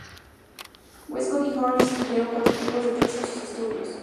Westcott y Hort distinguieron cuatro tipos de texto en sus estudios.